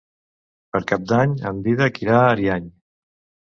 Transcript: Per Cap d'Any en Dídac irà a Ariany.